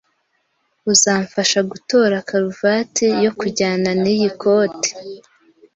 Uzamfasha gutora karuvati yo kujyana niyi koti?